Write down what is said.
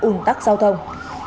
ổn tắc giao thông